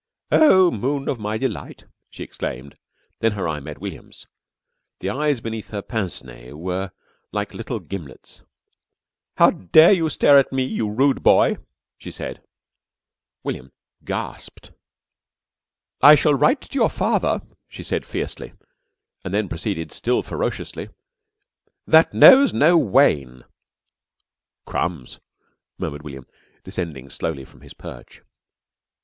"'Oh, moon of my delight....'" she declaimed, then her eye met William's. The eyes beneath her pince nez were like little gimlets. "How dare you stare at me, you rude boy?" she said. William gasped. [Illustration: "HOW DARE YOU STARE AT ME, YOU RUDE BOY?" SHE SAID.] "I shall write to your father," she said fiercely, and then proceeded still ferociously, "'... that knows no wane.'" "Crumbs!" murmured William, descending slowly from his perch.